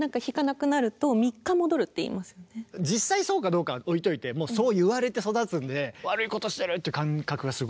実際そうかどうかはおいといてもうそう言われて育つんで悪いことしてるって感覚がすごくてね。